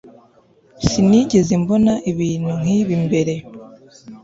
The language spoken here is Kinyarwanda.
sinigeze mbona ibintu nkibi mbere